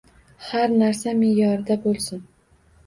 Har narsa me’yorida bo‘lsin.